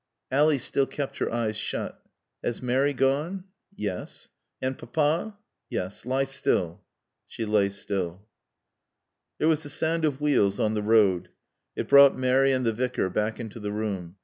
Ally still kept her eyes shut. "Has Mary gone?" "Yes." "And Papa?" "Yes. Lie still." She lay still. There was the sound of wheels on the road. It brought Mary and the Vicar back into the room.